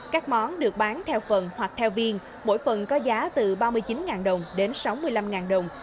các món được bán theo phần hoặc theo viên mỗi phần có giá từ ba mươi chín đồng đến sáu mươi năm đồng